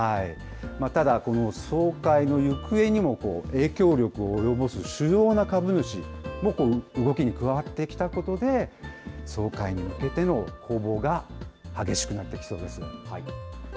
ただ、この総会の行方にも影響力を及ぼす主要な株主も動きに加わってきたことで、総会に向けての攻防が激しくなってきそうです。